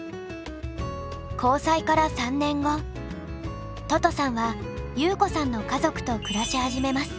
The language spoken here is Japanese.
交際から３年後ととさんはゆうこさんの家族と暮らし始めます。